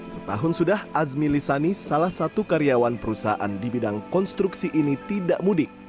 setahun sudah azmi lisani salah satu karyawan perusahaan di bidang konstruksi ini tidak mudik